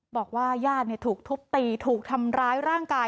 บอกว่าญาติถูกทุบตีถูกทำร้ายร่างกาย